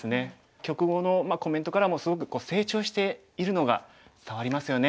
局後のコメントからもすごく成長しているのが伝わりますよね。